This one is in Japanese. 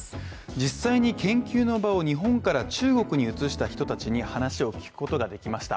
実際に研究の場を日本から中国に移した人たちに話を聞くことができました